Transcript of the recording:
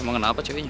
emang kenapa ceweknya